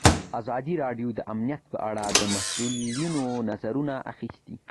ازادي راډیو د امنیت په اړه د مسؤلینو نظرونه اخیستي.